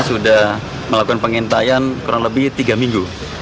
sudah melakukan pengintaian kurang lebih tiga minggu